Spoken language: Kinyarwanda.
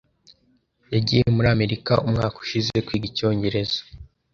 Yagiye muri Amerika umwaka ushize kwiga icyongereza.